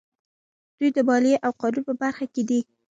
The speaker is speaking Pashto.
دوی د مالیې او قانون په برخه کې دي.